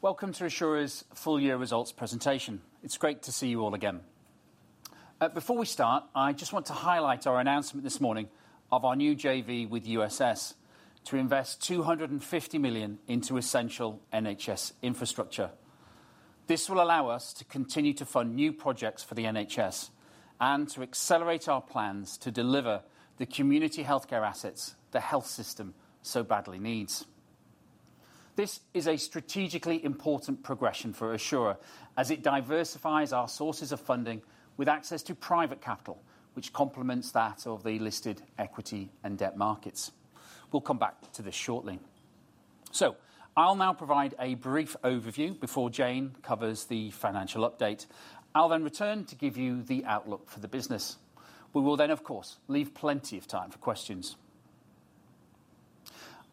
Welcome to Assura's full year results presentation. It's great to see you all again. Before we start, I just want to highlight our announcement this morning of our new JV with USS to invest £ 250 million into essential NHS infrastructure. This will allow us to continue to fund new projects for the NHS and to accelerate our plans to deliver the community healthcare assets the health system so badly needs. This is a strategically important progression for Assura, as it diversifies our sources of funding with access to private capital, which complements that of the listed equity and debt markets. We'll come back to this shortly. So I'll now provide a brief overview before Jayne covers the financial update. I'll then return to give you the outlook for the business. We will then, of course, leave plenty of time for questions.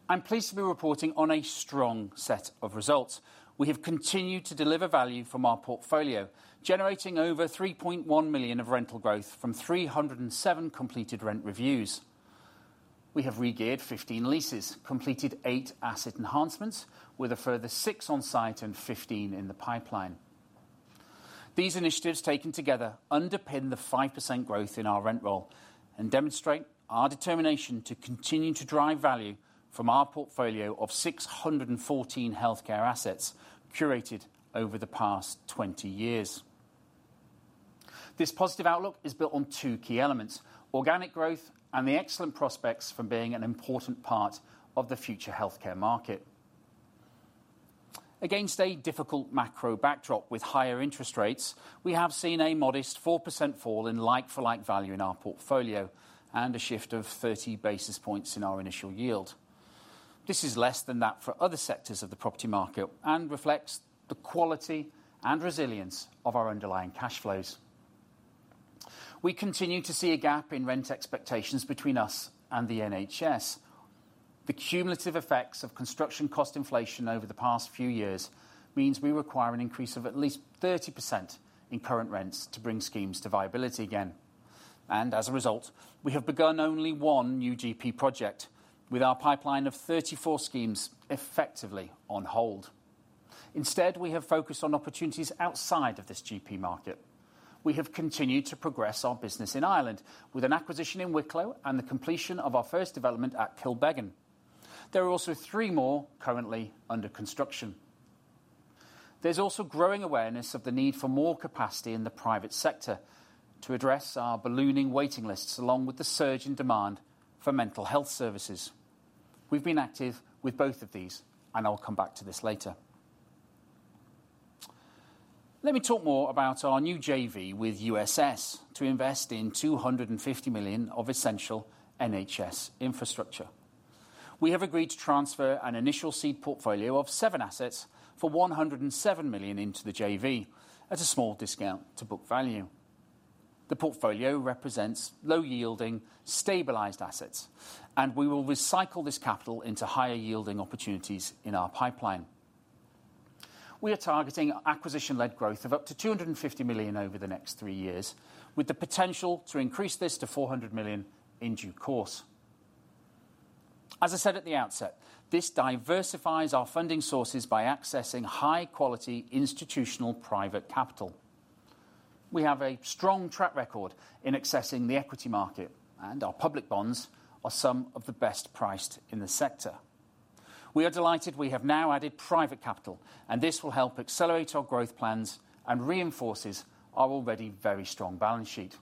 I'm pleased to be reporting on a strong set of results. We have continued to deliver value from our portfolio, generating over £3.1 million of rental growth from 307 completed rent reviews. We have regeared 15 leases, completed eight asset enhancements, with a further six on site and 15 in the pipeline. These initiatives, taken together, underpin the 5% growth in our rent roll and demonstrate our determination to continue to drive value from our portfolio of 614 healthcare assets curated over the past 20 years. This positive outlook is built on two key elements, organic growth and the excellent prospects from being an important part of the future healthcare market. Against a difficult macro backdrop with higher interest rates, we have seen a modest 4% fall in like-for-like value in our portfolio and a shift of 30 basis points in our initial yield. This is less than that for other sectors of the property market and reflects the quality and resilience of our underlying cash flows. We continue to see a gap in rent expectations between us and the NHS. The cumulative effects of construction cost inflation over the past few years means we require an increase of at least 30% in current rents to bring schemes to viability again, and as a result, we have begun only one new GP project, with our pipeline of 34 schemes effectively on hold. Instead, we have focused on opportunities outside of this GP market. We have continued to progress our business in Ireland with an acquisition in Wicklow and the completion of our first development at Kilbeggan. There are also three more currently under construction. There's also growing awareness of the need for more capacity in the private sector to address our ballooning waiting lists, along with the surge in demand for mental health services. We've been active with both of these, and I'll come back to this later. Let me talk more about our new JV with USS to invest in £ 250 million of essential NHS infrastructure. We have agreed to transfer an initial seed portfolio of seven assets for £ 107 million into the JV at a small discount to book value. The portfolio represents low-yielding, stabilized assets, and we will recycle this capital into higher-yielding opportunities in our pipeline. We are targeting acquisition-led growth of up to £ 250 million over the next three years, with the potential to increase this to £ 400 million in due course. As I said at the outset, this diversifies our funding sources by accessing high-quality institutional private capital. We have a strong track record in accessing the equity market, and our public bonds are some of the best priced in the sector. We are delighted we have now added private capital, and this will help accelerate our growth plans and reinforces our already very strong balance sheet.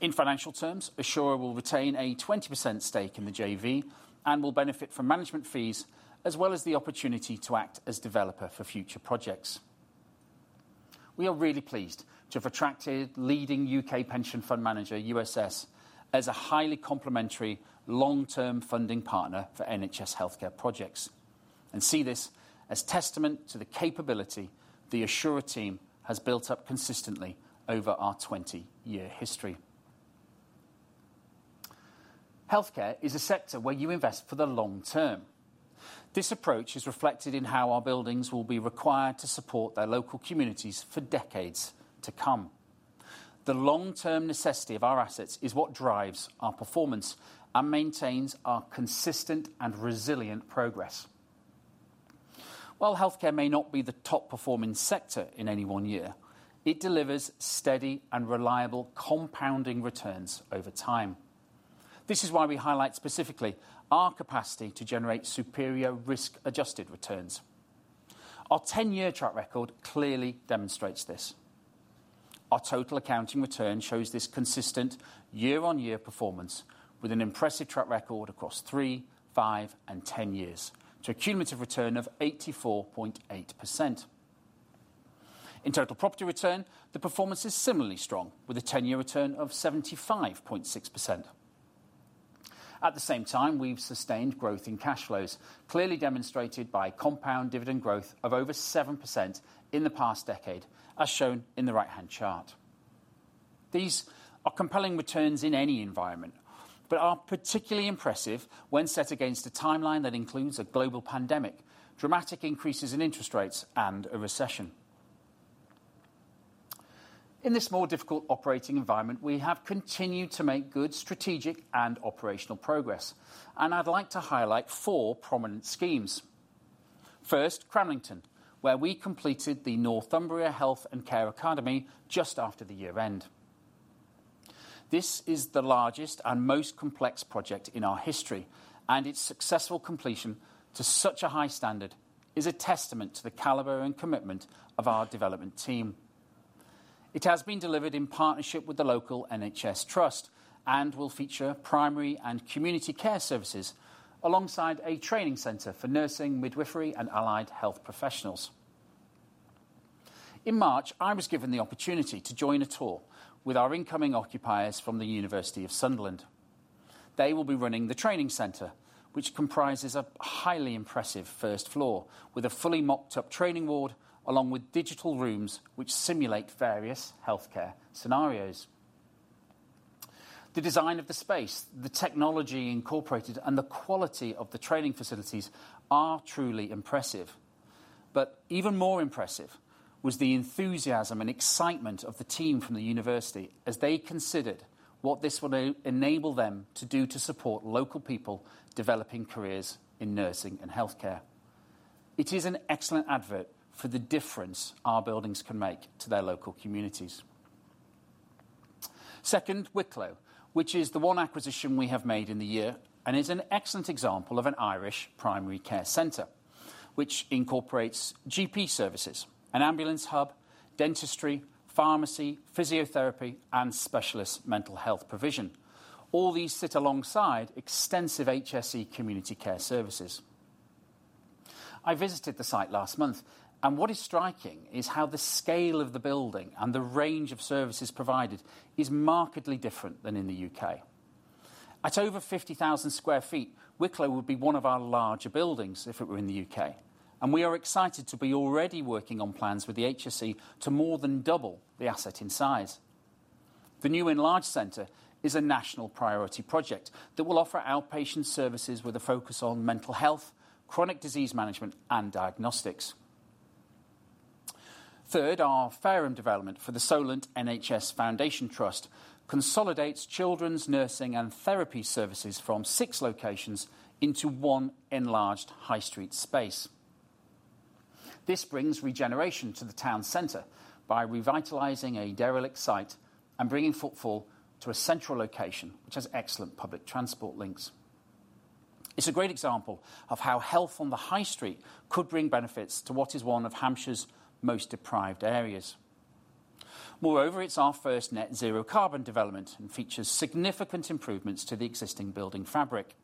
In financial terms, Assura will retain a 20% stake in the JV and will benefit from management fees, as well as the opportunity to act as developer for future projects. We are really pleased to have attracted leading UK pension fund manager, USS, as a highly complementary, long-term funding partner for NHS healthcare projects and see this as testament to the capability the Assura team has built up consistently over our 20-year history. Healthcare is a sector where you invest for the long term. This approach is reflected in how our buildings will be required to support their local communities for decades to come. The long-term necessity of our assets is what drives our performance and maintains our consistent and resilient progress. While healthcare may not be the top-performing sector in any one year, it delivers steady and reliable compounding returns over time. This is why we highlight specifically our capacity to generate superior risk-adjusted returns. Our 10-year track record clearly demonstrates this. Our total accounting return shows this consistent year-on-year performance with an impressive track record across 3, 5, and 10 years to a cumulative return of 84.8%. In total property return, the performance is similarly strong, with a 10-year return of 75.6%. At the same time, we've sustained growth in cash flows, clearly demonstrated by compound dividend growth of over 7% in the past decade, as shown in the right-hand chart. These are compelling returns in any environment, but are particularly impressive when set against a timeline that includes a global pandemic, dramatic increases in interest rates, and a recession. In this more difficult operating environment, we have continued to make good strategic and operational progress, and I'd like to highlight 4 prominent schemes. First, Cramlington, where we completed the Northumbria Health and Care Academy just after the year-end. This is the largest and most complex project in our history, and its successful completion to such a high standard is a testament to the caliber and commitment of our development team. It has been delivered in partnership with the local NHS Trust and will feature primary and community care services, alongside a training center for nursing, midwifery, and allied health professionals. In March, I was given the opportunity to join a tour with our incoming occupiers from the University of Sunderland. They will be running the training center, which comprises a highly impressive first floor, with a fully mocked-up training ward, along with digital rooms, which simulate various healthcare scenarios. The design of the space, the technology incorporated, and the quality of the training facilities are truly impressive. But even more impressive was the enthusiasm and excitement of the team from the university as they considered what this will enable them to do to support local people developing careers in nursing and healthcare. It is an excellent advert for the difference our buildings can make to their local communities. Second, Wicklow, which is the one acquisition we have made in the year, and is an excellent example of an Irish primary care center, which incorporates GP services, an ambulance hub, dentistry, pharmacy, physiotherapy, and specialist mental health provision. All these sit alongside extensive HSE community care services. I visited the site last month, and what is striking is how the scale of the building and the range of services provided is markedly different than in the UK. At over 50,000 sq ft, Wicklow would be one of our larger buildings if it were in the UK, and we are excited to be already working on plans with the HSE to more than double the asset in size. The new enlarged center is a national priority project that will offer outpatient services with a focus on mental health, chronic disease management, and diagnostics. Third, our Fareham development for the Solent NHS Foundation Trust consolidates children's nursing and therapy services from six locations into one enlarged high street space. This brings regeneration to the town center by revitalizing a derelict site and bringing footfall to a central location, which has excellent public transport links. It's a great example of how health on the high street could bring benefits to what is one of Hampshire's most deprived areas. Moreover, it's our first net zero carbon development and features significant improvements to the existing building fabric.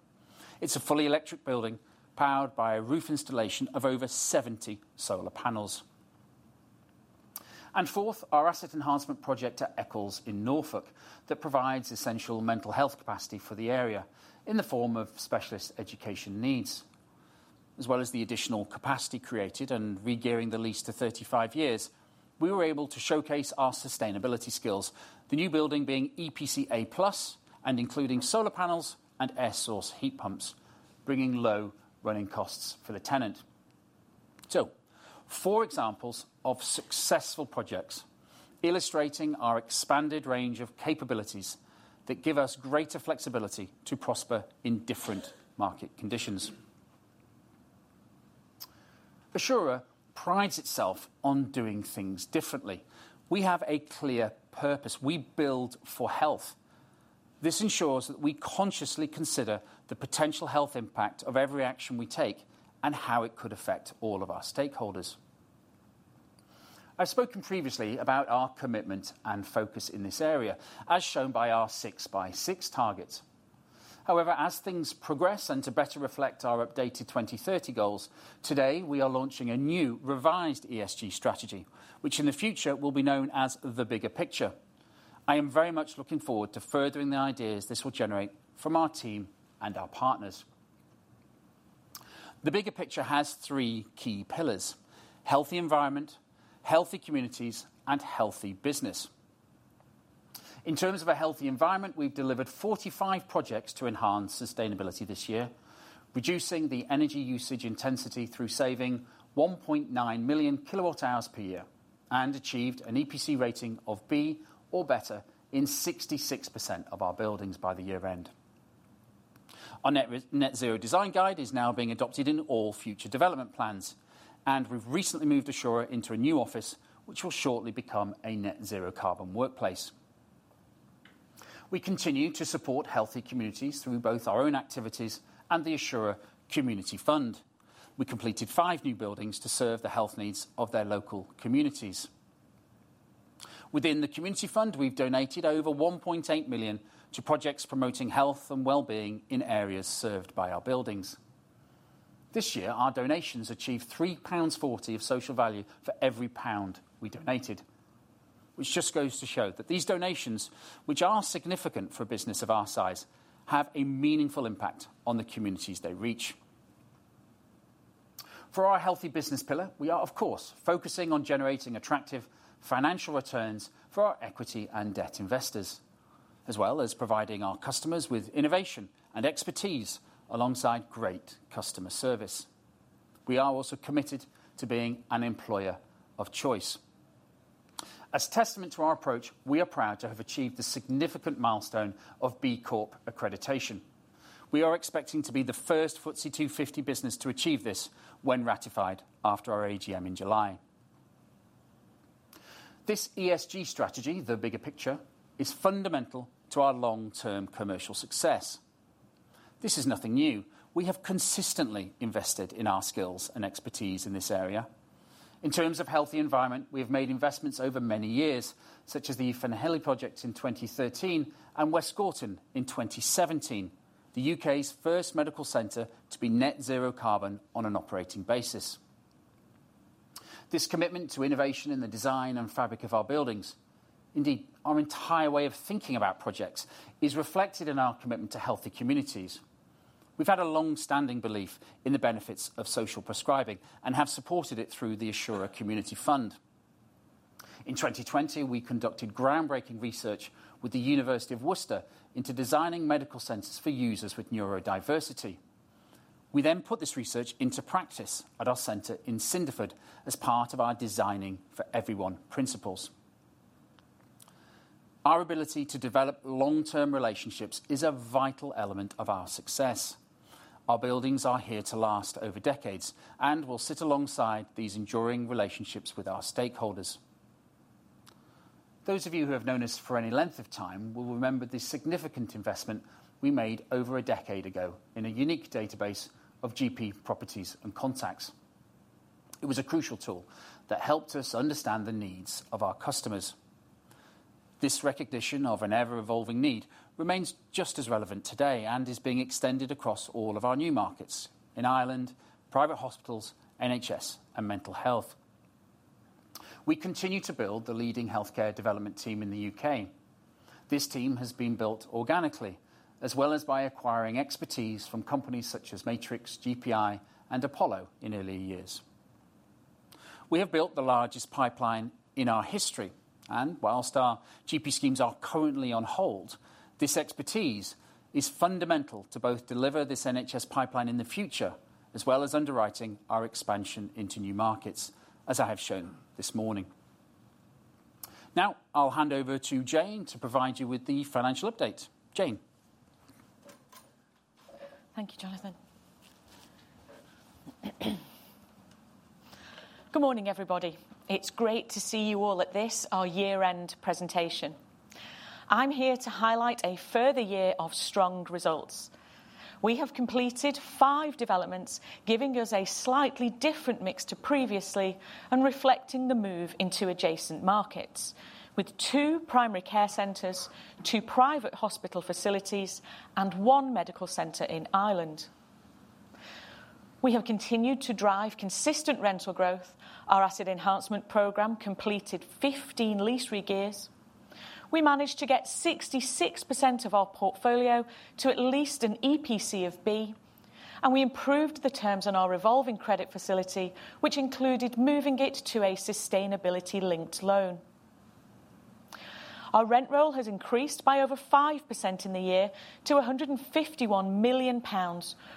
It's a fully electric building, powered by a roof installation of over 70 solar panels. And fourth, our asset enhancement project at Eccles in Norfolk, that provides essential mental health capacity for the area in the form of specialist education needs. As well as the additional capacity created and regearing the lease to 35 years, we were able to showcase our sustainability skills, the new building being EPC A+ and including solar panels and air source heat pumps, bringing low running costs for the tenant. So four examples of successful projects illustrating our expanded range of capabilities that give us greater flexibility to prosper in different market conditions. Assura prides itself on doing things differently. We have a clear purpose. We build for health. This ensures that we consciously consider the potential health impact of every action we take and how it could affect all of our stakeholders. I've spoken previously about our commitment and focus in this area, as shown by our Six by Six targets. However, as things progress and to better reflect our updated 2030 goals, today we are launching a new revised ESG strategy, which in the future will be known as The Bigger Picture. I am very much looking forward to furthering the ideas this will generate from our team and our partners. The Bigger Picture has three key pillars: healthy environment, healthy communities, and healthy business. In terms of a healthy environment, we've delivered 45 projects to enhance sustainability this year, reducing the energy usage intensity through saving 1.9 million kWh per year, and achieved an EPC rating of B or better in 66% of our buildings by the year-end. Our net zero design guide is now being adopted in all future development plans, and we've recently moved Assura into a new office, which will shortly become a net zero carbon workplace. We continue to support healthy communities through both our own activities and the Assura Community Fund. We completed five new buildings to serve the health needs of their local communities. Within the community fund, we've donated over 1.8 million to projects promoting health and well-being in areas served by our buildings. This year, our donations achieved 3.40 £ of social value for every 1 £ we donated, which just goes to show that these donations, which are significant for a business of our size, have a meaningful impact on the communities they reach. For our healthy business pillar, we are, of course, focusing on generating attractive financial returns for our equity and debt investors, as well as providing our customers with innovation and expertise alongside great customer service.... We are also committed to being an employer of choice. As testament to our approach, we are proud to have achieved the significant milestone of B Corp accreditation. We are expecting to be the first FTSE 250 business to achieve this when ratified after our AGM in July. This ESG strategy, The Bigger Picture, is fundamental to our long-term commercial success. This is nothing new. We have consistently invested in our skills and expertise in this area. In terms of healthy environment, we have made investments over many years, such as the Ferneley project in 2013 and West Gorton in 2017, the UK's first medical center to be net zero carbon on an operating basis. This commitment to innovation in the design and fabric of our buildings, indeed, our entire way of thinking about projects, is reflected in our commitment to healthy communities. We've had a long-standing belief in the benefits of social prescribing and have supported it through the Assura Community Fund. In 2020, we conducted groundbreaking research with the University of Worcester into designing medical centers for users with neurodiversity. We then put this research into practice at our center in Cinderford as part of our designing for everyone principles. Our ability to develop long-term relationships is a vital element of our success. Our buildings are here to last over decades and will sit alongside these enduring relationships with our stakeholders. Those of you who have known us for any length of time will remember the significant investment we made over a decade ago in a unique database of GP properties and contacts. It was a crucial tool that helped us understand the needs of our customers. This recognition of an ever-evolving need remains just as relevant today and is being extended across all of our new markets, in Ireland, private hospitals, NHS, and mental health. We continue to build the leading healthcare development team in the U.K. This team has been built organically, as well as by acquiring expertise from companies such as Matrix, GPI, and Apollo in earlier years. We have built the largest pipeline in our history, and while our GP schemes are currently on hold, this expertise is fundamental to both deliver this NHS pipeline in the future, as well as underwriting our expansion into new markets, as I have shown this morning. Now, I'll hand over to Jayne to provide you with the financial update. Jayne? Thank you, Jonathan. Good morning, everybody. It's great to see you all at this, our year-end presentation. I'm here to highlight a further year of strong results. We have completed 5 developments, giving us a slightly different mix to previously and reflecting the move into adjacent markets, with 2 primary care centers, 2 private hospital facilities, and 1 medical center in Ireland. We have continued to drive consistent rental growth. Our asset enhancement program completed 15 lease re-gears. We managed to get 66% of our portfolio to at least an EPC of B, and we improved the terms on our revolving credit facility, which included moving it to a sustainability-linked loan. Our rent roll has increased by over 5% in the year to £ 151 million,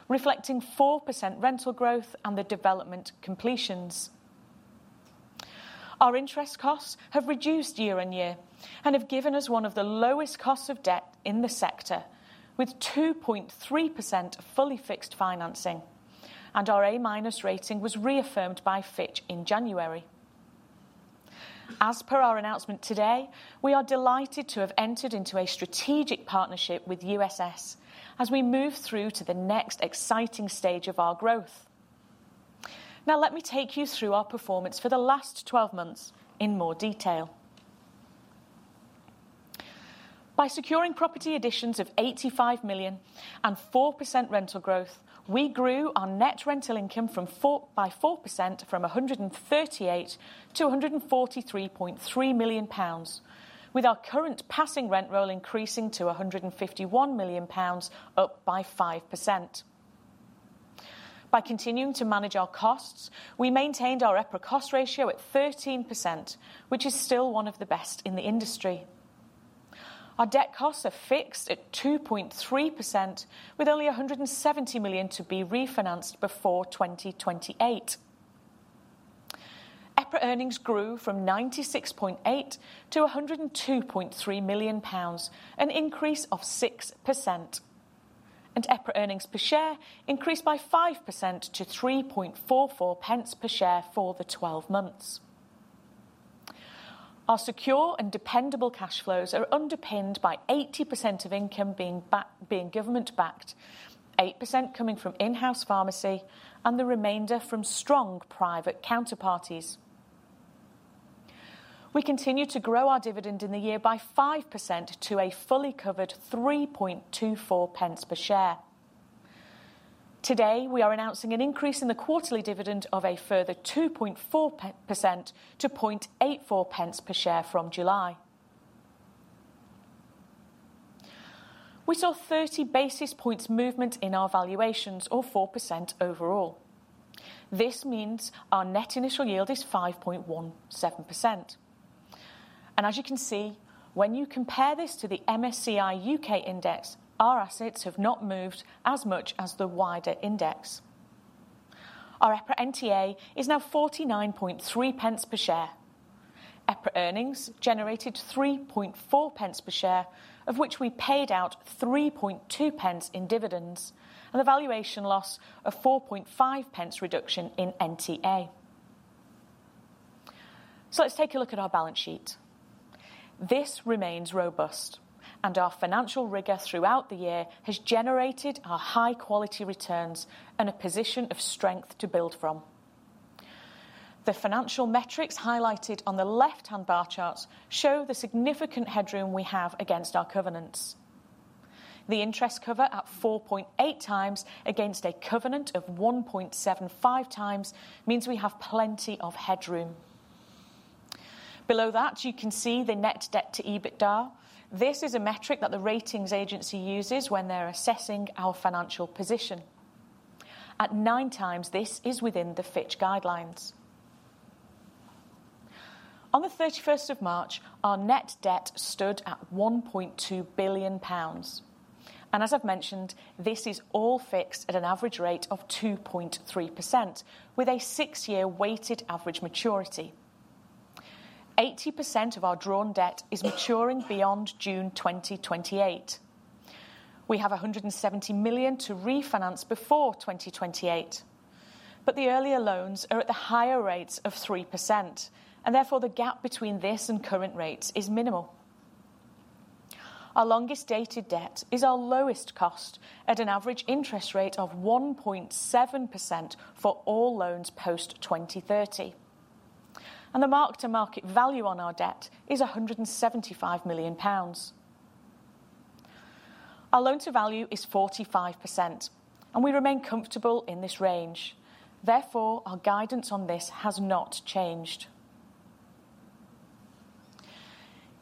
reflecting 4% rental growth and the development completions. Our interest costs have reduced year-on-year and have given us one of the lowest costs of debt in the sector, with 2.3% fully fixed financing, and our A- rating was reaffirmed by Fitch in January. As per our announcement today, we are delighted to have entered into a strategic partnership with USS as we move through to the next exciting stage of our growth. Now, let me take you through our performance for the last 12 months in more detail. By securing property additions of £ 85 million and 4% rental growth, we grew our net rental income by 4% from £ 138 million to £ 143.3 million, with our current passing rent roll increasing to £ 151 million, up by 5%. By continuing to manage our costs, we maintained our EPRA cost ratio at 13%, which is still one of the best in the industry. Our debt costs are fixed at 2.3%, with only £ 170 million to be refinanced before 2028. EPRA earnings grew from £ 96.8 million to £ 102.3 million, an increase of 6%, and EPRA earnings per share increased by 5% to 3.44 pence per share for the 12 months. Our secure and dependable cash flows are underpinned by 80% of income being government-backed, 8% coming from in-house pharmacy, and the remainder from strong private counterparties. We continue to grow our dividend in the year by 5% to a fully covered 3.24 pence per share. Today, we are announcing an increase in the quarterly dividend of a further 2.4 percentage points to £ 0.084 per share from July. We saw 30 basis points movement in our valuations or 4% overall. This means our net initial yield is 5.17%. As you can see, when you compare this to the MSCI UK Index, our assets have not moved as much as the wider index. Our EPRA NTA is now £ 0.493 per share. EPRA earnings generated £ 0.034 per share, of which we paid out £ 0.032 in dividends, and the valuation loss of £ 0.045 reduction in NTA. So let's take a look at our balance sheet. This remains robust, and our financial rigor throughout the year has generated our high-quality returns and a position of strength to build from. The financial metrics highlighted on the left-hand bar charts show the significant headroom we have against our covenants. The interest cover at 4.8 times against a covenant of 1.75 times means we have plenty of headroom. Below that, you can see the net debt to EBITDA. This is a metric that the ratings agency uses when they're assessing our financial position. At 9 times, this is within the Fitch guidelines. On the 31st of March, our net debt stood at £ 1.2 billion, and as I've mentioned, this is all fixed at an average rate of 2.3%, with a 6-year weighted average maturity. 80% of our drawn debt is maturing beyond June 2028. We have £ 170 million to refinance before 2028, but the earlier loans are at the higher rates of 3%, and therefore, the gap between this and current rates is minimal. Our longest-dated debt is our lowest cost at an average interest rate of 1.7% for all loans post-2030, and the mark-to-market value on our debt is £ 175 million. Our loan-to-value is 45%, and we remain comfortable in this range. Therefore, our guidance on this has not changed.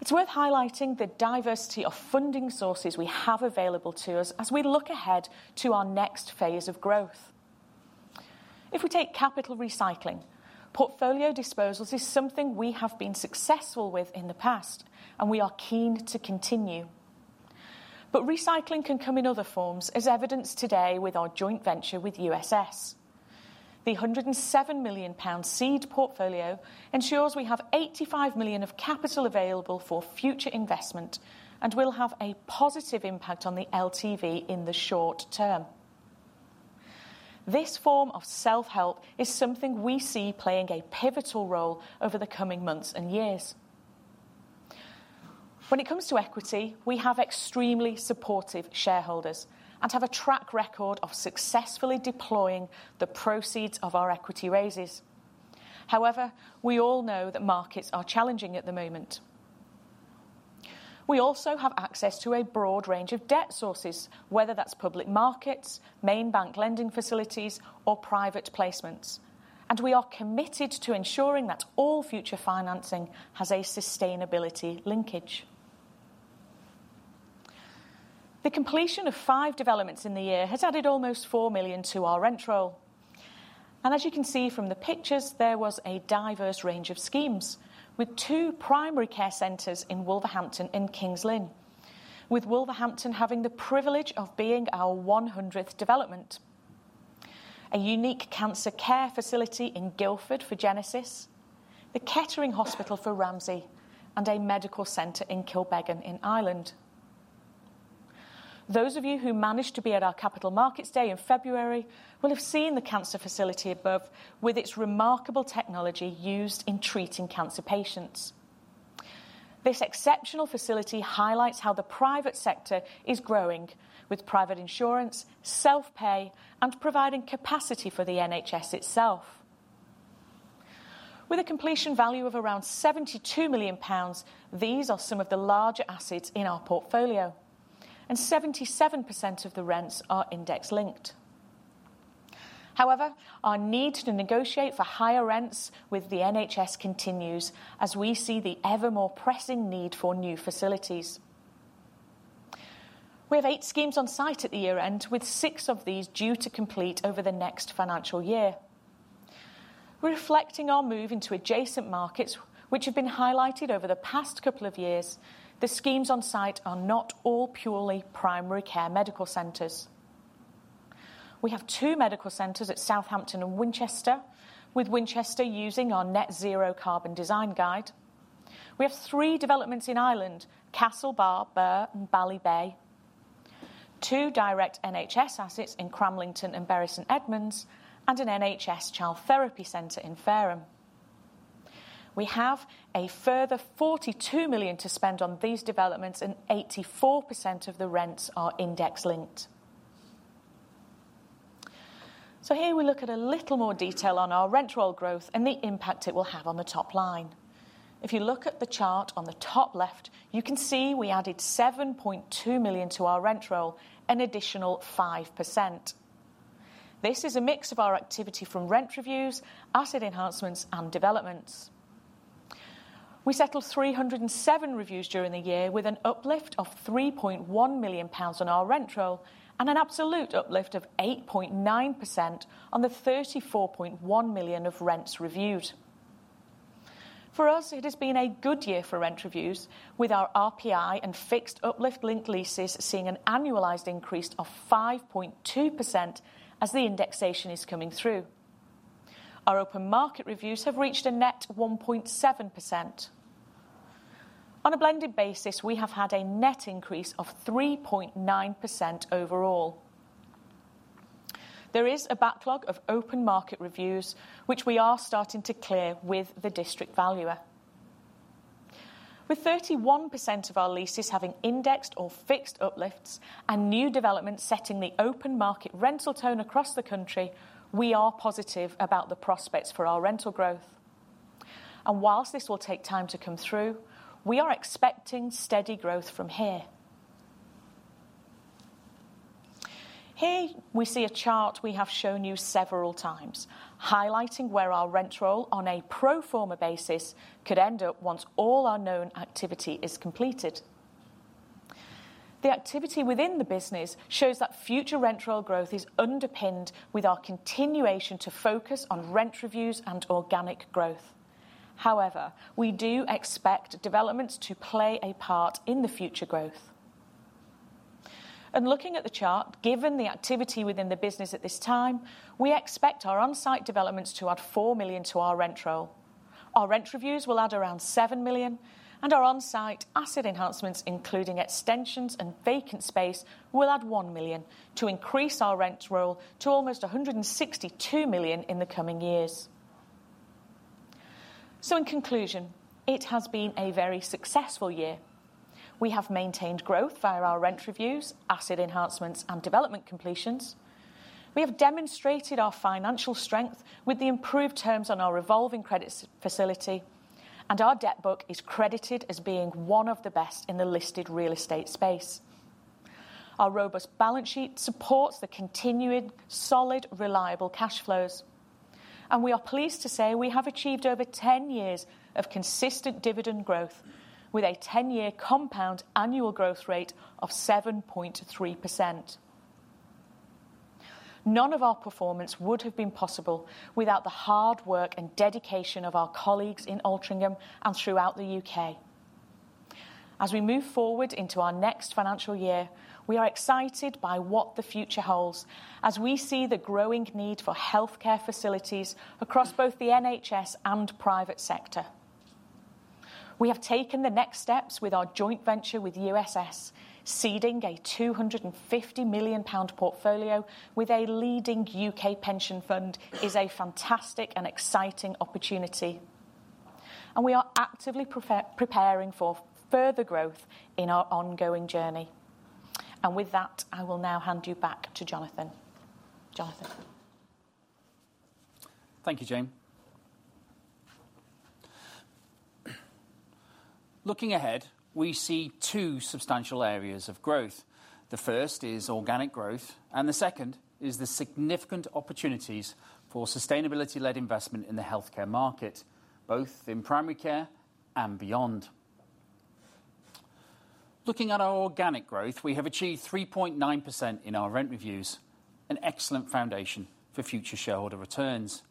It's worth highlighting the diversity of funding sources we have available to us as we look ahead to our next phase of growth. If we take capital recycling, portfolio disposals is something we have been successful with in the past, and we are keen to continue. But recycling can come in other forms, as evidenced today with our joint venture with USS. The £ 107 million seed portfolio ensures we have £ 85 million of capital available for future investment and will have a positive impact on the LTV in the short term. This form of self-help is something we see playing a pivotal role over the coming months and years. When it comes to equity, we have extremely supportive shareholders and have a track record of successfully deploying the proceeds of our equity raises. However, we all know that markets are challenging at the moment. We also have access to a broad range of debt sources, whether that's public markets, main bank lending facilities, or private placements, and we are committed to ensuring that all future financing has a sustainability linkage. The completion of five developments in the year has added almost £ 4 million to our rent roll. As you can see from the pictures, there was a diverse range of schemes, with two primary care centers in Wolverhampton and King's Lynn, with Wolverhampton having the privilege of being our 100th development, a unique cancer care facility in Guildford for Genesis, the Kettering Hospital for Ramsay, and a medical center in Kilbeggan, in Ireland. Those of you who managed to be at our Capital Markets Day in February will have seen the cancer facility above with its remarkable technology used in treating cancer patients. This exceptional facility highlights how the private sector is growing with private insurance, self-pay, and providing capacity for the NHS itself. With a completion value of around £ 72 million, these are some of the larger assets in our portfolio, and 77% of the rents are index-linked. However, our need to negotiate for higher rents with the NHS continues as we see the ever more pressing need for new facilities. We have 8 schemes on site at the year-end, with 6 of these due to complete over the next financial year. Reflecting our move into adjacent markets, which have been highlighted over the past couple of years, the schemes on site are not all purely primary care medical centers. We have two medical centers at Southampton and Winchester, with Winchester using our Net Zero Carbon Design Guide. We have three developments in Ireland, Castlebar, Birr, and Ballybay, two direct NHS assets in Cramlington and Bury St Edmunds, and an NHS child therapy center in Fareham. We have a further £ 42 million to spend on these developments, and 84% of the rents are index-linked. Here we look at a little more detail on our rent roll growth and the impact it will have on the top line. If you look at the chart on the top left, you can see we added £ 7.2 million to our rent roll, an additional 5%. This is a mix of our activity from rent reviews, asset enhancements, and developments. We settled 307 reviews during the year with an uplift of £ 3.1 million on our rent roll and an absolute uplift of 8.9% on the £ 34.1 million of rents reviewed. For us, it has been a good year for rent reviews, with our RPI and fixed uplift link leases seeing an annualized increase of 5.2% as the indexation is coming through. Our open market reviews have reached a net 1.7%. On a blended basis, we have had a net increase of 3.9% overall. There is a backlog of open market reviews, which we are starting to clear with the District Valuer. With 31% of our leases having indexed or fixed uplifts and new developments setting the open market rental tone across the country, we are positive about the prospects for our rental growth. While this will take time to come through, we are expecting steady growth from here. Here we see a chart we have shown you several times, highlighting where our rent roll on a pro forma basis could end up once all our known activity is completed. The activity within the business shows that future rent roll growth is underpinned with our continuation to focus on rent reviews and organic growth. However, we do expect developments to play a part in the future growth. Looking at the chart, given the activity within the business at this time, we expect our on-site developments to add £ 4 million to our rent roll. Our rent reviews will add around £ 7 million, and our on-site asset enhancements, including extensions and vacant space, will add £ 1 million to increase our rent roll to almost £ 162 million in the coming years. So in conclusion, it has been a very successful year. We have maintained growth via our rent reviews, asset enhancements, and development completions. We have demonstrated our financial strength with the improved terms on our revolving credit facility, and our debt book is credited as being one of the best in the listed real estate space. Our robust balance sheet supports the continued solid, reliable cash flows, and we are pleased to say we have achieved over 10 years of consistent dividend growth with a 10-year compound annual growth rate of 7.3%. None of our performance would have been possible without the hard work and dedication of our colleagues in Altrincham and throughout the UK. As we move forward into our next financial year, we are excited by what the future holds, as we see the growing need for healthcare facilities across both the NHS and private sector. We have taken the next steps with our joint venture with USS. Seeding a £ 250 million portfolio with a leading UK pension fund is a fantastic and exciting opportunity, and we are actively preparing for further growth in our ongoing journey. And with that, I will now hand you back to Jonathan. Jonathan? Thank you, Jane. Looking ahead, we see two substantial areas of growth. The first is organic growth, and the second is the significant opportunities for sustainability-led investment in the healthcare market, both in primary care and beyond. Looking at our organic growth, we have achieved 3.9% in our rent reviews, an excellent foundation for future shareholder returns.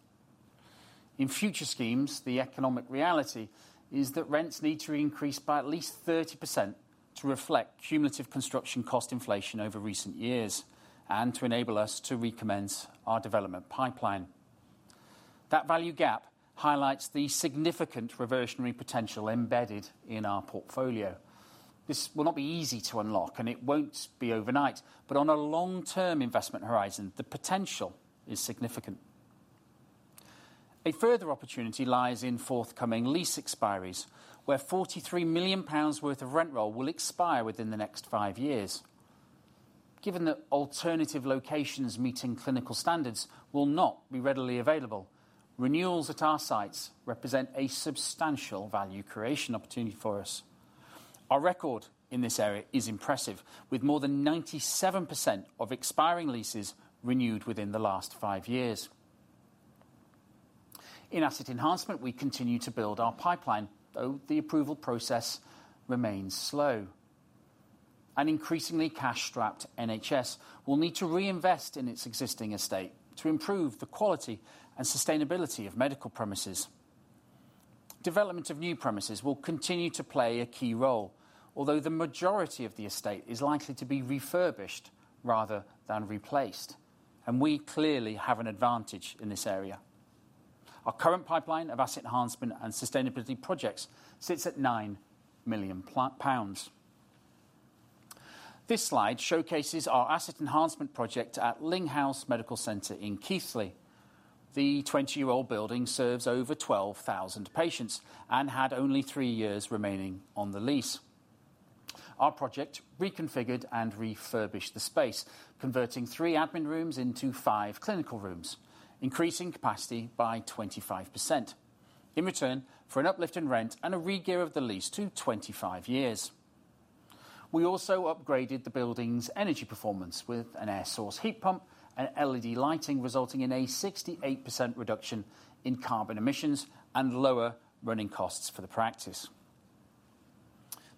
In future schemes, the economic reality is that rents need to increase by at least 30% to reflect cumulative construction cost inflation over recent years and to enable us to recommence our development pipeline. That value gap highlights the significant reversionary potential embedded in our portfolio. This will not be easy to unlock, and it won't be overnight, but on a long-term investment horizon, the potential is significant. A further opportunity lies in forthcoming lease expiries, where £ 43 million worth of rent roll will expire within the next five years. Given that alternative locations meeting clinical standards will not be readily available, renewals at our sites represent a substantial value creation opportunity for us. Our record in this area is impressive, with more than 97% of expiring leases renewed within the last five years. In asset enhancement, we continue to build our pipeline, though the approval process remains slow. An increasingly cash-strapped NHS will need to reinvest in its existing estate to improve the quality and sustainability of medical premises. Development of new premises will continue to play a key role, although the majority of the estate is likely to be refurbished rather than replaced, and we clearly have an advantage in this area. Our current pipeline of asset enhancement and sustainability projects sits at £ 9 million. This slide showcases our asset enhancement project at Ling House Medical Centre in Keighley. The 20-year-old building serves over 12,000 patients and had only 3 years remaining on the lease. Our project reconfigured and refurbished the space, converting 3 admin rooms into 5 clinical rooms, increasing capacity by 25%, in return for an uplift in rent and a regear of the lease to 25 years. We also upgraded the building's energy performance with an air source heat pump and LED lighting, resulting in a 68% reduction in carbon emissions and lower running costs for the practice.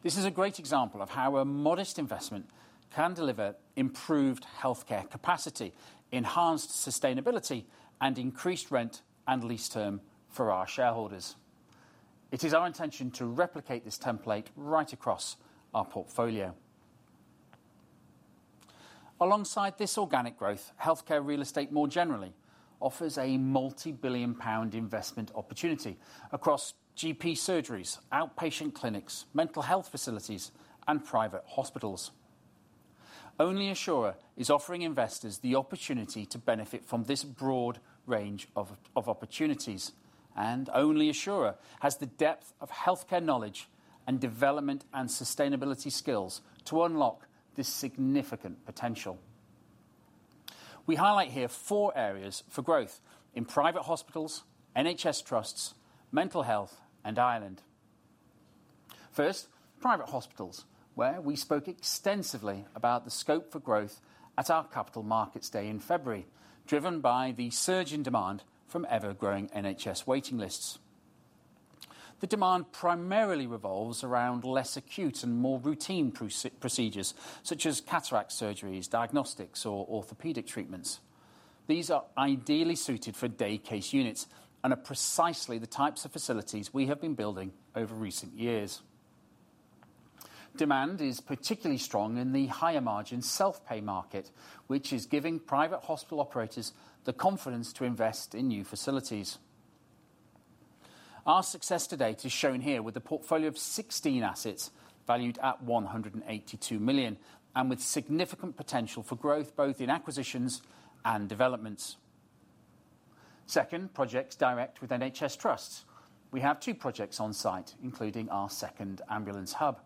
This is a great example of how a modest investment can deliver improved healthcare capacity, enhanced sustainability, and increased rent and lease term for our shareholders. It is our intention to replicate this template right across our portfolio. Alongside this organic growth, healthcare real estate more generally offers a multi-billion pound investment opportunity across GP surgeries, outpatient clinics, mental health facilities, and private hospitals. Only Assura is offering investors the opportunity to benefit from this broad range of opportunities, and only Assura has the depth of healthcare knowledge and development and sustainability skills to unlock this significant potential. We highlight here four areas for growth in private hospitals, NHS trusts, mental health, and Ireland. First, private hospitals, where we spoke extensively about the scope for growth at our Capital Markets Day in February, driven by the surge in demand from ever-growing NHS waiting lists. The demand primarily revolves around less acute and more routine procedures, such as cataract surgeries, diagnostics, or orthopedic treatments. These are ideally suited for day case units and are precisely the types of facilities we have been building over recent years. Demand is particularly strong in the higher margin self-pay market, which is giving private hospital operators the confidence to invest in new facilities. Our success to date is shown here with a portfolio of 16 assets valued at £ 182 million, and with significant potential for growth, both in acquisitions and developments. Second, projects direct with NHS trusts. We have two projects on site, including our second ambulance hub.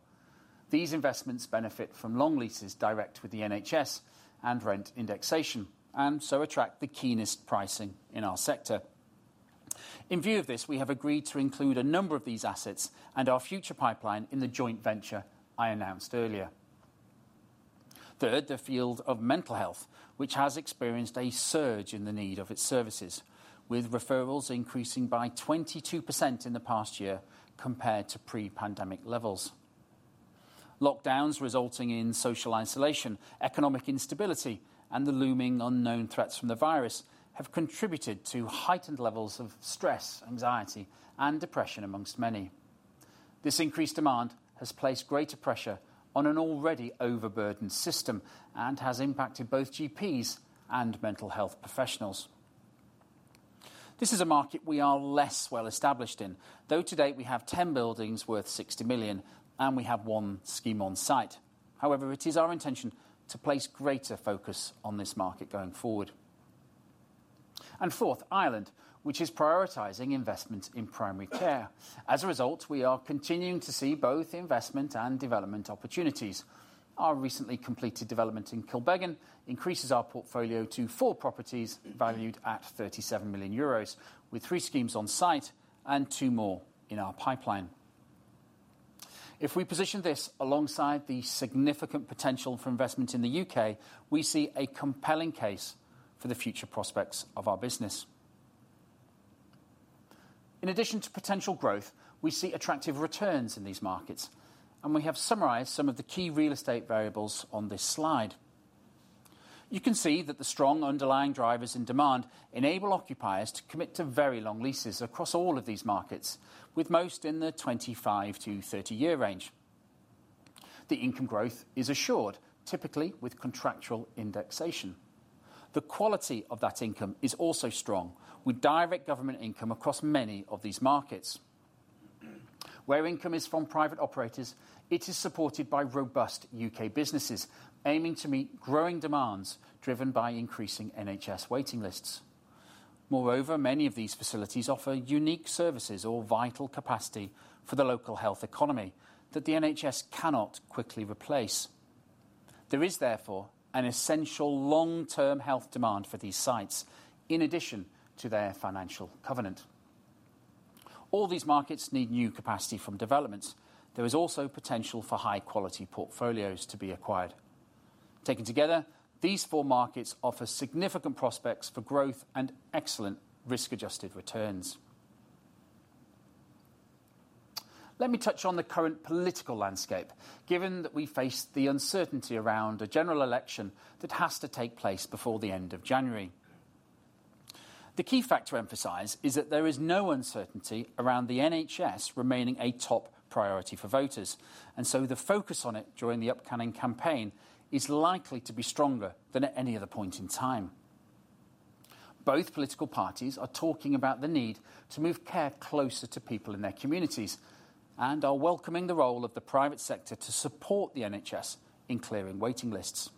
These investments benefit from long leases direct with the NHS and rent indexation, and so attract the keenest pricing in our sector. In view of this, we have agreed to include a number of these assets and our future pipeline in the joint venture I announced earlier. Third, the field of mental health, which has experienced a surge in the need of its services, with referrals increasing by 22% in the past year compared to pre-pandemic levels. Lockdowns resulting in social isolation, economic instability, and the looming unknown threats from the virus have contributed to heightened levels of stress, anxiety, and depression among many. This increased demand has placed greater pressure on an already overburdened system and has impacted both GPs and mental health professionals. This is a market we are less well established in, though to date we have 10 buildings worth £ 60 million, and we have one scheme on site. However, it is our intention to place greater focus on this market going forward. And fourth, Ireland, which is prioritizing investment in primary care. As a result, we are continuing to see both investment and development opportunities. Our recently completed development in Kilbeggan increases our portfolio to 4 properties valued at 37 million euros, with 3 schemes on site and 2 more in our pipeline. If we position this alongside the significant potential for investment in the UK, we see a compelling case for the future prospects of our business. In addition to potential growth, we see attractive returns in these markets, and we have summarized some of the key real estate variables on this slide. You can see that the strong underlying drivers in demand enable occupiers to commit to very long leases across all of these markets, with most in the 25-30-year range. The income growth is assured, typically with contractual indexation. The quality of that income is also strong, with direct government income across many of these markets. Where income is from private operators, it is supported by robust U.K. businesses aiming to meet growing demands driven by increasing NHS waiting lists. Moreover, many of these facilities offer unique services or vital capacity for the local health economy that the NHS cannot quickly replace. There is, therefore, an essential long-term health demand for these sites, in addition to their financial covenant. All these markets need new capacity from developments. There is also potential for high-quality portfolios to be acquired. Taken together, these four markets offer significant prospects for growth and excellent risk-adjusted returns. Let me touch on the current political landscape, given that we face the uncertainty around a general election that has to take place before the end of January. The key fact to emphasize is that there is no uncertainty around the NHS remaining a top priority for voters, and so the focus on it during the upcoming campaign is likely to be stronger than at any other point in time. Both political parties are talking about the need to move care closer to people in their communities and are welcoming the role of the private sector to support the NHS in clearing waiting lists.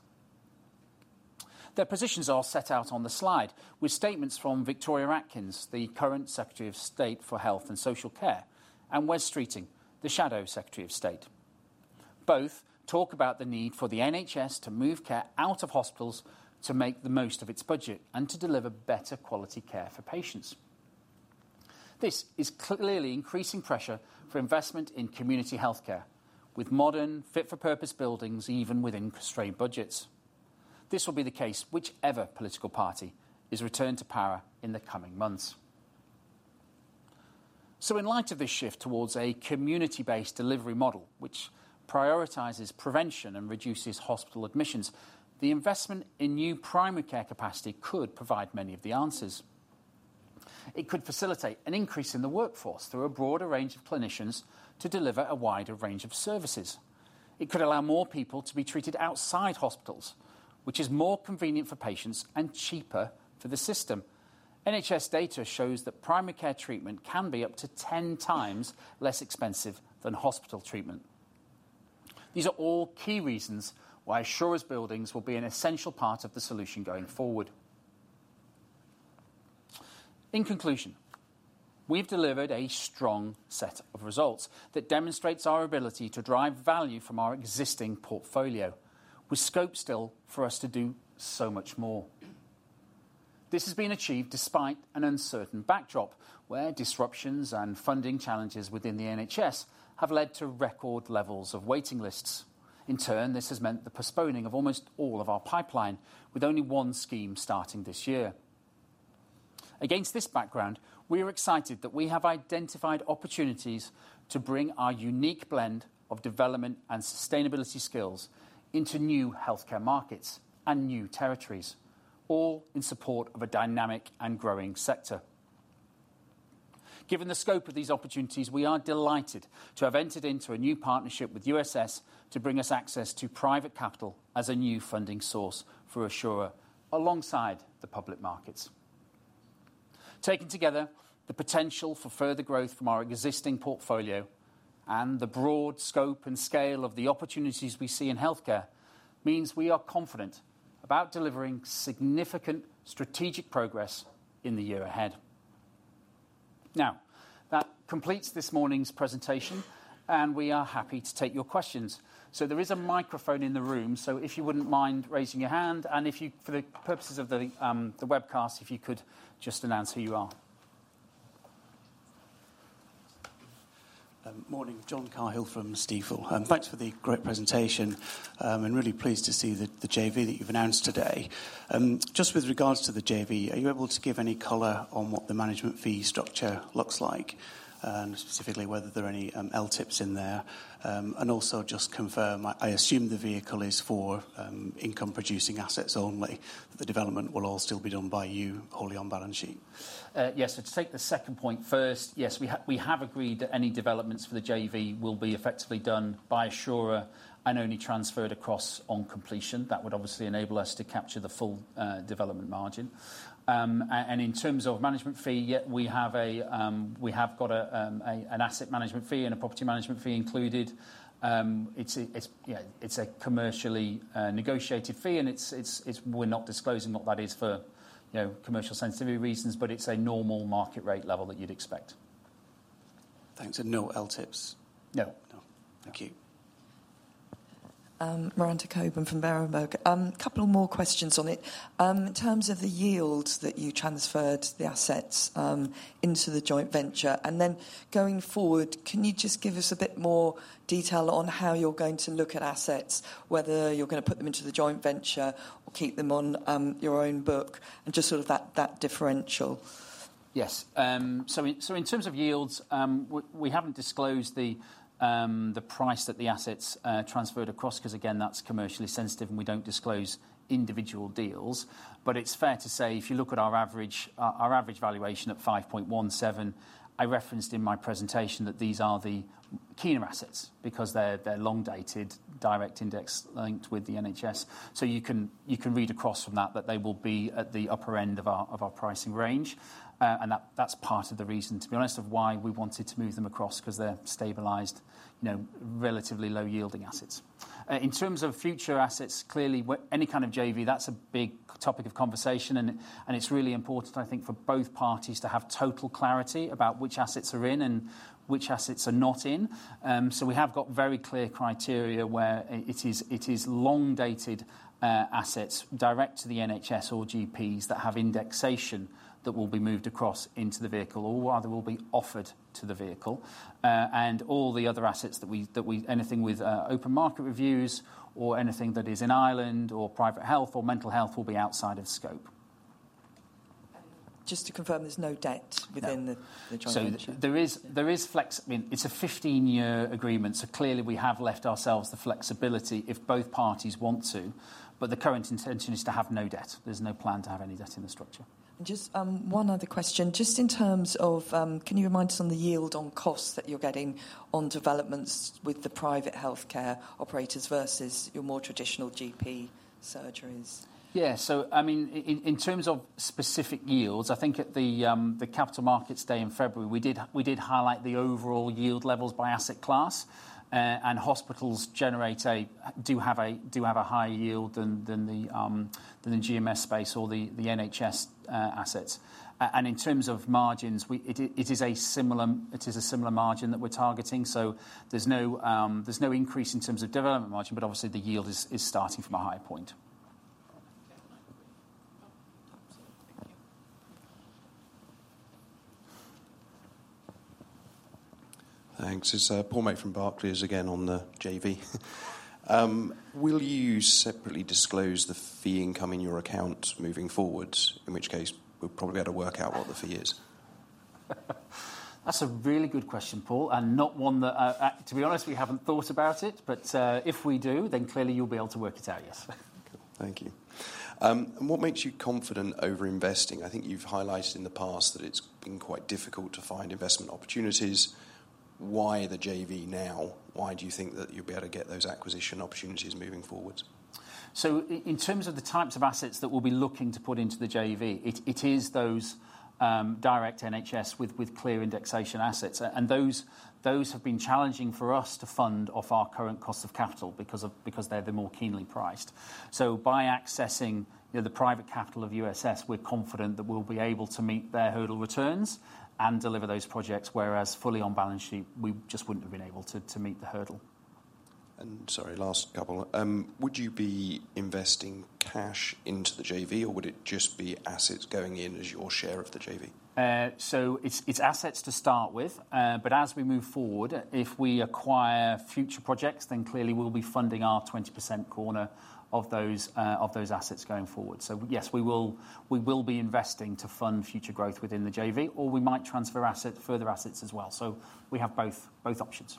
Their positions are set out on the slide, with statements from Victoria Atkins, the current Secretary of State for Health and Social Care, and Wes Streeting, the Shadow Secretary of State. Both talk about the need for the NHS to move care out of hospitals to make the most of its budget and to deliver better quality care for patients. This is clearly increasing pressure for investment in community healthcare, with modern, fit-for-purpose buildings, even within constrained budgets. This will be the case whichever political party is returned to power in the coming months. So in light of this shift towards a community-based delivery model, which prioritizes prevention and reduces hospital admissions, the investment in new primary care capacity could provide many of the answers. It could facilitate an increase in the workforce through a broader range of clinicians to deliver a wider range of services. It could allow more people to be treated outside hospitals, which is more convenient for patients and cheaper for the system. NHS data shows that primary care treatment can be up to 10 times less expensive than hospital treatment. These are all key reasons why Assura's buildings will be an essential part of the solution going forward. In conclusion, we've delivered a strong set of results that demonstrates our ability to drive value from our existing portfolio, with scope still for us to do so much more. This has been achieved despite an uncertain backdrop, where disruptions and funding challenges within the NHS have led to record levels of waiting lists. In turn, this has meant the postponing of almost all of our pipeline, with only one scheme starting this year. Against this background, we are excited that we have identified opportunities to bring our unique blend of development and sustainability skills into new healthcare markets and new territories, all in support of a dynamic and growing sector. Given the scope of these opportunities, we are delighted to have entered into a new partnership with USS to bring us access to private capital as a new funding source for Assura, alongside the public markets. Taken together, the potential for further growth from our existing portfolio and the broad scope and scale of the opportunities we see in healthcare, means we are confident about delivering significant strategic progress in the year ahead. Now, that completes this morning's presentation, and we are happy to take your questions. So there is a microphone in the room, so if you wouldn't mind raising your hand, and if you, for the purposes of the, the webcast, if you could just announce who you are. Morning, John Cahill from Stifel. Thanks for the great presentation, and really pleased to see the JV that you've announced today. Just with regards to the JV, are you able to give any color on what the management fee structure looks like, and specifically whether there are any LTIPs in there? And also just confirm, I assume the vehicle is for income-producing assets only. The development will all still be done by you wholly on balance sheet. Yes. So to take the second point first, yes, we have agreed that any developments for the JV will be effectively done by Assura and only transferred across on completion. That would obviously enable us to capture the full development margin. And in terms of management fee, yeah, we have got an asset management fee and a property management fee included. It's a commercially negotiated fee, and it's we're not disclosing what that is for, you know, commercial sensitivity reasons, but it's a normal market rate level that you'd expect. Thanks, and no LTIPS? No. No. Thank you. Miranda Cockburn from Berenberg. A couple more questions on it. In terms of the yields that you transferred the assets into the joint venture, and then going forward, can you just give us a bit more detail on how you're going to look at assets, whether you're gonna put them into the joint venture or keep them on your own book, and just sort of that, that differential? Yes. So in terms of yields, we haven't disclosed the price that the assets transferred across, 'cause again, that's commercially sensitive, and we don't disclose individual deals. But it's fair to say, if you look at our average, our average valuation at 5.17, I referenced in my presentation that these are the keener assets because they're long-dated, direct index-linked with the NHS. So you can read across from that, that they will be at the upper end of our pricing range. And that's part of the reason, to be honest, of why we wanted to move them across, 'cause they're stabilized, you know, relatively low-yielding assets. In terms of future assets, clearly, any kind of JV, that's a big topic of conversation, and it's really important, I think, for both parties to have total clarity about which assets are in and which assets are not in. So we have got very clear criteria where it is, it is long-dated assets direct to the NHS or GPs that have indexation that will be moved across into the vehicle or rather will be offered to the vehicle. And all the other assets that we anything with open market reviews or anything that is in Ireland or private health or mental health will be outside of scope. Just to confirm, there's no debt- No within the joint venture? So there is, there is flex, I mean, it's a 15-year agreement, so clearly we have left ourselves the flexibility if both parties want to, but the current intention is to have no debt. There's no plan to have any debt in the structure. Just, one other question. Just in terms of, can you remind us on the yield on costs that you're getting on developments with the private healthcare operators versus your more traditional GP surgeries? Yeah, so I mean, in terms of specific yields, I think at the capital markets day in February, we did highlight the overall yield levels by asset class, and hospitals generate, do have a higher yield than the GMS space or the NHS assets. And in terms of margins, it is a similar margin that we're targeting, so there's no increase in terms of development margin, but obviously the yield is starting from a high point. Thanks. It's Paul May from Barclays, again, on the JV. Will you separately disclose the fee income in your account moving forward? In which case, we'll probably be able to work out what the fee is? That's a really good question, Paul, and not one that, to be honest, we haven't thought about it, but, if we do, then clearly you'll be able to work it out, yes. Thank you. What makes you confident over investing? I think you've highlighted in the past that it's been quite difficult to find investment opportunities. Why the JV now? Why do you think that you'll be able to get those acquisition opportunities moving forward? So in terms of the types of assets that we'll be looking to put into the JV, it is those direct NHS with clear indexation assets, and those have been challenging for us to fund off our current cost of capital because they're the more keenly priced. So by accessing, you know, the private capital of USS, we're confident that we'll be able to meet their hurdle returns and deliver those projects, whereas fully on balance sheet, we just wouldn't have been able to meet the hurdle. Sorry, last couple. Would you be investing cash into the JV, or would it just be assets going in as your share of the JV? So it's assets to start with, but as we move forward, if we acquire future projects, then clearly we'll be funding our 20% corner of those assets going forward. So yes, we will be investing to fund future growth within the JV, or we might transfer further assets as well. So we have both options.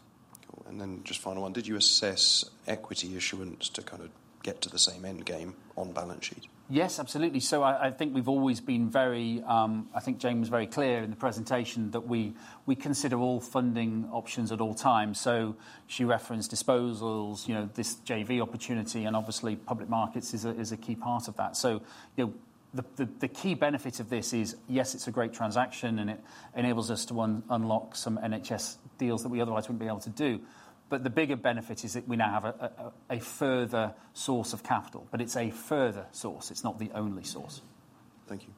Cool. Then just final one, did you assess equity issuance to kind of get to the same end game on balance sheet? Yes, absolutely. So I think we've always been very. I think Jayne was very clear in the presentation that we consider all funding options at all times. So she referenced disposals, you know, this JV opportunity, and obviously, public markets is a key part of that. So, the key benefit of this is, yes, it's a great transaction, and it enables us to unlock some NHS deals that we otherwise wouldn't be able to do. But the bigger benefit is that we now have a further source of capital, but it's a further source. It's not the only source. </transcript Thank you.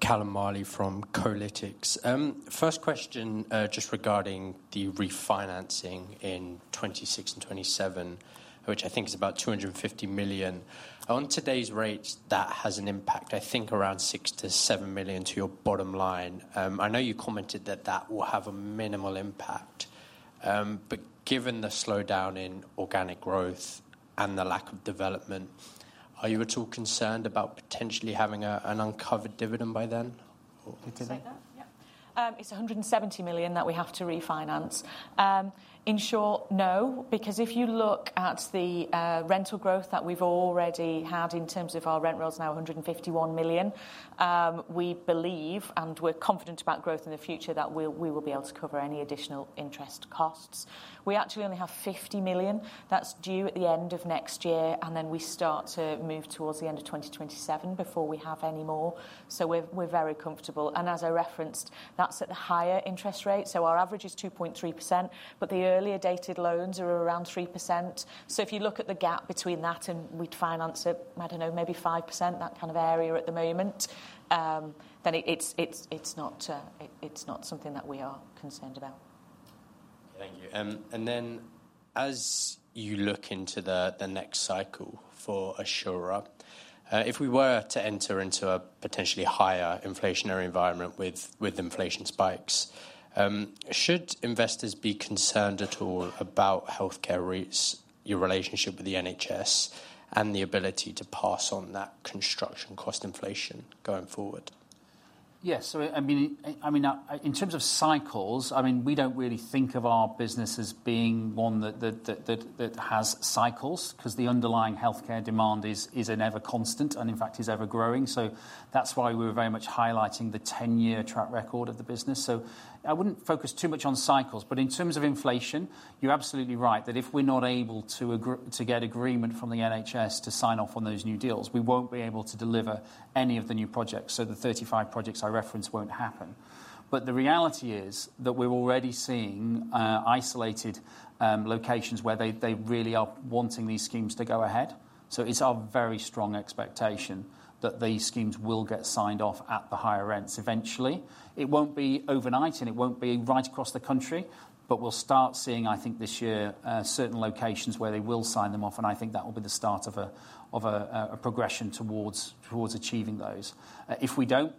Callum Marley from Kolytics. First question, just regarding the refinancing in 2026 and 2027, which I think is about £ 250 million. On today's rates, that has an impact, I think, around £ 6 million-£ 7 million to your bottom line. I know you commented that that will have a minimal impact, but given the slowdown in organic growth and the lack of development, are you at all concerned about potentially having an uncovered dividend by then? Can you say that? Yeah. It's £ 170 million that we have to refinance. In short, no, because if you look at the, rental growth that we've already had in terms of our rent rolls, now £ 151 million, we believe, and we're confident about growth in the future, that we, we will be able to cover any additional interest costs. We actually only have £ 50 million. That's due at the end of next year, and then we start to move towards the end of 2027 before we have any more, so we're, we're very comfortable. And as I referenced, that's at the higher interest rate, so our average is 2.3%, but the earlier dated loans are around 3%. So if you look at the gap between that and we'd finance it, I don't know, maybe 5%, that kind of area at the moment, then it's not something that we are concerned about. Thank you. And then as you look into the next cycle for Assura, if we were to enter into a potentially higher inflationary environment with inflation spikes, should investors be concerned at all about healthcare rates, your relationship with the NHS, and the ability to pass on that construction cost inflation going forward? Yes. So I mean, in terms of cycles, I mean, we don't really think of our business as being one that has cycles, 'cause the underlying healthcare demand is an ever constant, and in fact, is ever growing. So that's why we were very much highlighting the ten-year track record of the business. So I wouldn't focus too much on cycles, but in terms of inflation, you're absolutely right that if we're not able to agree to get agreement from the NHS to sign off on those new deals, we won't be able to deliver any of the new projects, so the 35 projects I referenced won't happen. But the reality is that we're already seeing isolated locations where they really are wanting these schemes to go ahead. So it's our very strong expectation that these schemes will get signed off at the higher rents eventually. It won't be overnight, and it won't be right across the country, but we'll start seeing, I think, this year, certain locations where they will sign them off, and I think that will be the start of a progression towards achieving those. If we don't,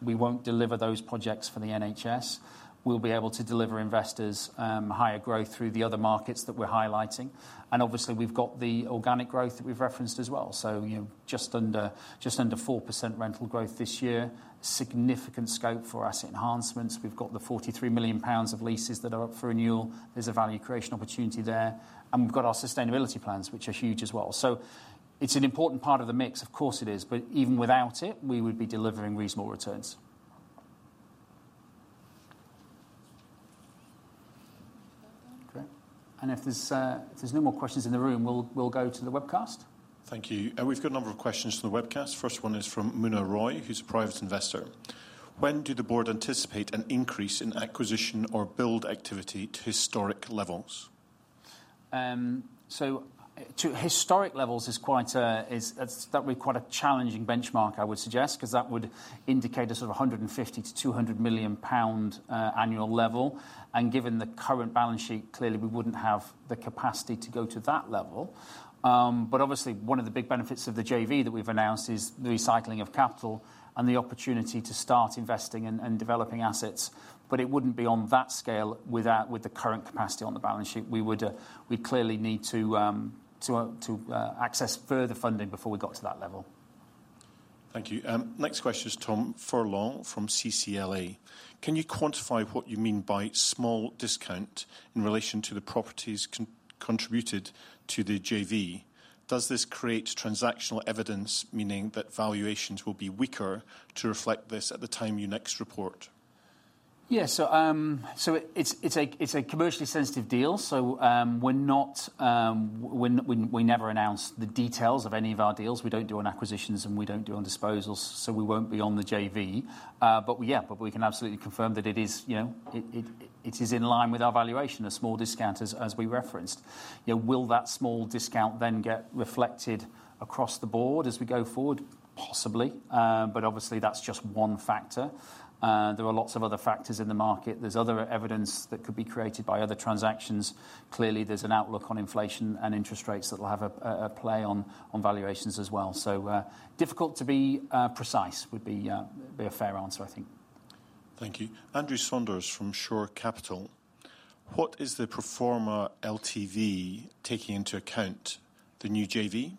we won't deliver those projects for the NHS. We'll be able to deliver investors higher growth through the other markets that we're highlighting, and obviously, we've got the organic growth that we've referenced as well. So, you know, just under 4% rental growth this year, significant scope for asset enhancements. We've got the £ 43 million of leases that are up for renewal. There's a value creation opportunity there, and we've got our sustainability plans, which are huge as well. So it's an important part of the mix. Of course it is, but even without it, we would be delivering reasonable returns. Great. And if there's no more questions in the room, we'll go to the webcast. Thank you. We've got a number of questions from the webcast. First one is from Munna Roy, who's a private investor: When do the board anticipate an increase in acquisition or build activity to historic levels? so to historic levels is quite a challenging benchmark, I would suggest, 'cause that would indicate a sort of £ 150 million-£ 200 million annual level. And given the current balance sheet, clearly, we wouldn't have the capacity to go to that level. But obviously, one of the big benefits of the JV that we've announced is the recycling of capital and the opportunity to start investing and developing assets. But it wouldn't be on that scale without the current capacity on the balance sheet. We would clearly need to access further funding before we got to that level. Thank you. Next question is Tom Furlong from CCLA. Can you quantify what you mean by small discount in relation to the properties contributed to the JV? Does this create transactional evidence, meaning that valuations will be weaker to reflect this at the time you next report? Yeah, so it's a commercially sensitive deal, so we're not—we never announce the details of any of our deals. We don't do on acquisitions, and we don't do on disposals, so we won't be on the JV. But yeah, we can absolutely confirm that it is, you know, it is in line with our valuation, a small discount as we referenced. Yeah, will that small discount then get reflected across the board as we go forward? Possibly. But obviously, that's just one factor. There are lots of other factors in the market. There's other evidence that could be created by other transactions. Clearly, there's an outlook on inflation and interest rates that will have a play on valuations as well. So, difficult to be a fair answer, I think. Thank you. Andrew Saunders from Shore Capital. What is the pro forma LTV, taking into account the new JV?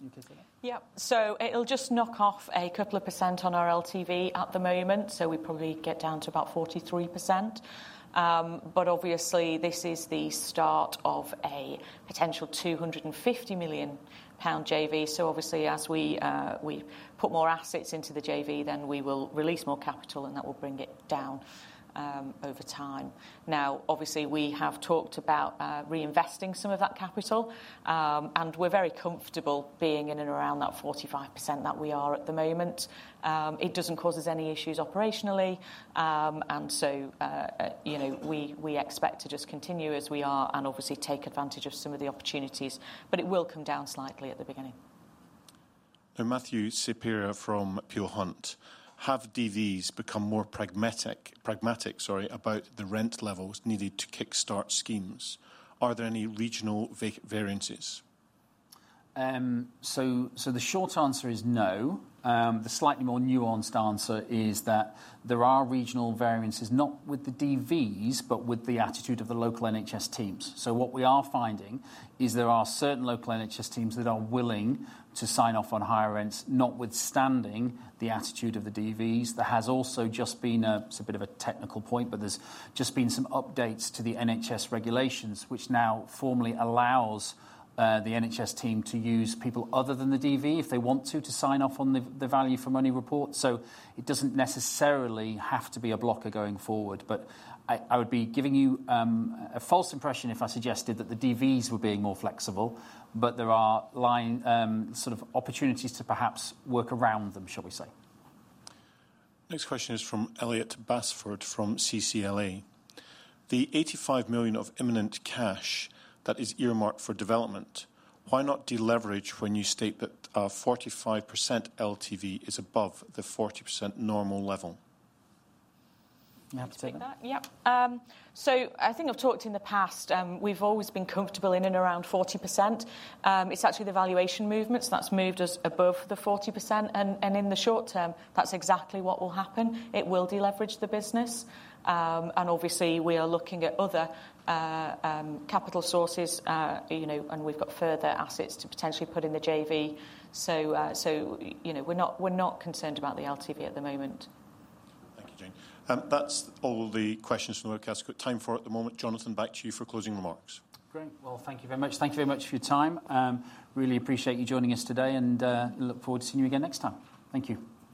You take that. Yeah. So it'll just knock off a couple of % on our LTV at the moment, so we probably get down to about 43%. But obviously, this is the start of a potential £ 250 million-pound JV. So obviously, as we put more assets into the JV, then we will release more capital, and that will bring it down, over time. Now, obviously, we have talked about reinvesting some of that capital, and we're very comfortable being in and around that 45% that we are at the moment. It doesn't cause us any issues operationally. And so, you know, we expect to just continue as we are and obviously take advantage of some of the opportunities, but it will come down slightly at the beginning. Matthew Saperia from Peel Hunt. Have DVs become more pragmatic about the rent levels needed to kickstart schemes? Are there any regional variances? So the short answer is no. The slightly more nuanced answer is that there are regional variances, not with the DVs, but with the attitude of the local NHS teams. So what we are finding is there are certain local NHS teams that are willing to sign off on higher rents, notwithstanding the attitude of the DVs. There has also just been. It's a bit of a technical point, but there's just been some updates to the NHS regulations, which now formally allows the NHS team to use people other than the DV, if they want to, to sign off on the value for money report. So it doesn't necessarily have to be a blocker going forward, but I would be giving you a false impression if I suggested that the DVs were being more flexible. But there are like, sort of opportunities to perhaps work around them, shall we say. Next question is from Elliot Basford, from CCLA. The £ 85 million of imminent cash that is earmarked for development, why not deleverage when you state that a 45% LTV is above the 40% normal level? You have to take that. Yep. So I think I've talked in the past, we've always been comfortable in and around 40%. It's actually the valuation movements that's moved us above the 40%, and in the short term, that's exactly what will happen. It will deleverage the business. And obviously, we are looking at other capital sources, you know, and we've got further assets to potentially put in the JV. So, you know, we're not, we're not concerned about the LTV at the moment. Thank you, Jayne. That's all the questions from the webcast got time for at the moment. Jonathan, back to you for closing remarks. Great. Well, thank you very much. Thank you very much for your time. Really appreciate you joining us today, and look forward to seeing you again next time. Thank you.